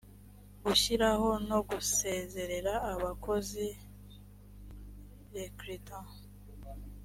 gushyiraho no gusezerera abakozi recruter